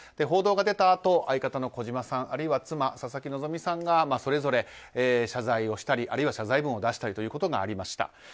報道が出たあと、相方の児嶋さんあるいは妻・佐々木希さんがそれぞれ謝罪をしたりあるいは謝罪文を出したりということがありました。